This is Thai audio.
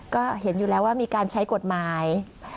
ก็เห็นอยู่แล้วว่ามีการใช้กฎหมาย